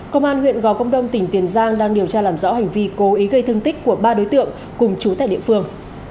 công an huyện gò công đông tỉnh tiền giang đang điều tra làm rõ hành vi cố ý gây thương tích của ba đối tượng cùng chú tại địa phương